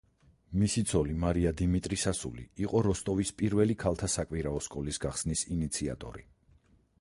მისი ცოლი მარია დიმიტრის ასული იყო როსტოვის პირველი ქალთა საკვირაო სკოლის გახსნის ინიციატორი.